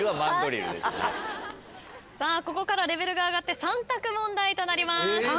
ここからレベルが上がって３択問題となります。